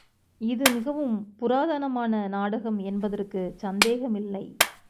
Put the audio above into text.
இது மிகவும் புராதானமான நாடகம் என்பதற்குச் சந்தேகமில்லை.